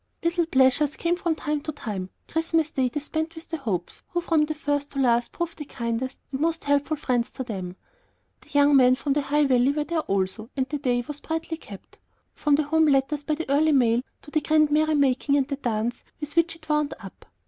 Little pleasures came from time to time. Christmas Day they spent with the Hopes, who from first to last proved the kindest and most helpful of friends to them. The young men from the High Valley were there also, and the day was brightly kept, from the home letters by the early mail to the grand merry making and dance with which it wound up.